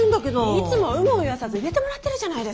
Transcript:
いつも有無を言わさず入れてもらってるじゃないですか。